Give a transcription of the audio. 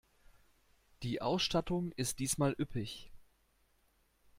Die Ausstattung ist diesmal üppig.